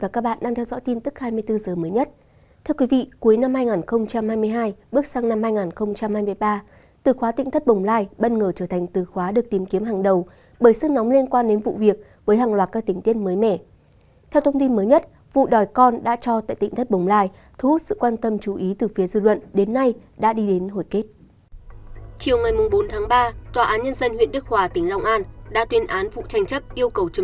các bạn hãy đăng ký kênh để ủng hộ kênh của chúng mình nhé